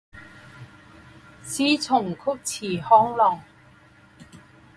师从菊池康郎。